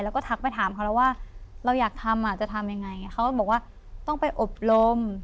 แล้วก็ทักไปถามเขาแล้วว่าเราอยากทำอ่ะจะทำยังไงเขาก็บอกว่าต้องไปอบรม